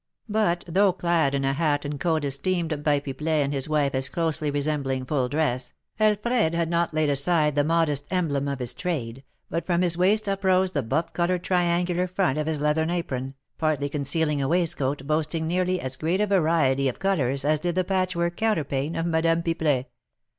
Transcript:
But, though clad in a hat and coat esteemed by Pipelet and his wife as closely resembling full dress, Alfred had not laid aside the modest emblem of his trade, but from his waist uprose the buff coloured triangular front of his leathern apron, partly concealing a waistcoat boasting nearly as great a variety of colours as did the patchwork counterpane of Madame Pipelet.